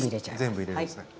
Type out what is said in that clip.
全部入れるんですね。